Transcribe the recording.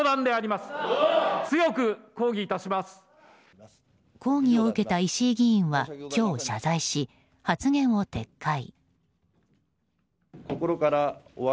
抗議を受けた石井議員は今日謝罪し、発言を撤回。